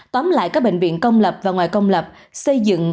tóm lại các bệnh viện công lập và ngoài công lập xây dựng